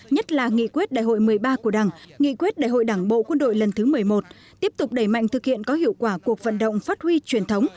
nhất là nghị quyết đại hội một mươi ba của đảng nghị quyết đại hội đảng bộ quân đội lần thứ một mươi một tiếp tục đẩy mạnh thực hiện có hiệu quả cuộc vận động phát huy truyền thống